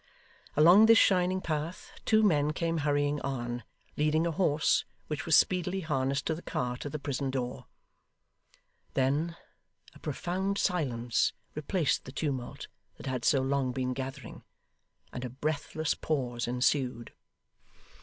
Along this shining path, two men came hurrying on, leading a horse, which was speedily harnessed to the cart at the prison door. Then, a profound silence replaced the tumult that had so long been gathering, and a breathless pause ensued.